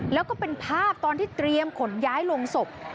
แล้วก็เป็นภาพตอนที่เตรียมขนย้ายลงศพ